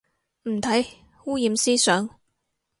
唔睇，污染思想